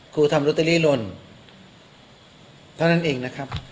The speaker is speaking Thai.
ทำลอตเตอรี่หล่นเท่านั้นเองนะครับ